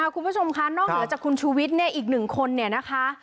คุณผู้ชมค่ะนอกเหนือจากคุณชูวิทย์เนี่ยอีกหนึ่งคนเนี่ยนะคะ